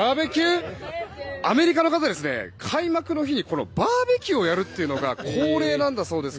アメリカの方、開幕の日にバーベキューをやるというのが恒例なんだそうです。